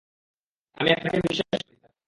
আমি আপনাকে বিশ্বাস করি, স্যার।